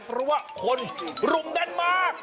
เพราะว่าคนรุมแน่นมาก